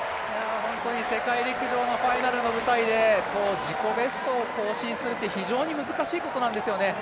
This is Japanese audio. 世界陸上のファイナルの舞台で自己ベストを更新するって非常に難しいことなんですよね。